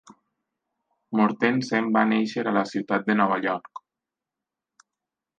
Mortensen va néixer a la ciutat de Nova York.